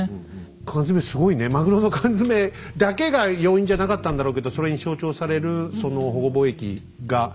マグロの缶詰だけが要因じゃなかったんだろうけどそれに象徴されるその保護貿易が